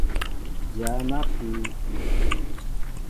Dya na pii.